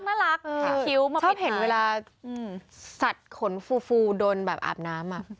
คิ้วมาปิดหน้าชอบเห็นเวลาสัตว์ขนฟูโดนอาบน้ำ